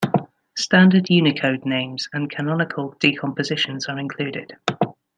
Standard Unicode names and canonical decompositions are included.